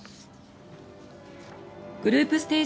グループステージ